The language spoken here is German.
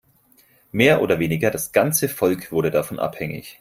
Mehr oder weniger das ganze Volk wurde davon abhängig.